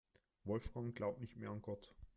Wolfgang glaubt nicht mehr an Gott.